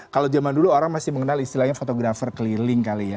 kalau zaman dulu orang masih mengenal istilahnya fotografer keliling kali ya